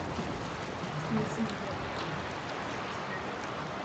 Jeden z nejvýznamnějších architektů českého a pražského baroka.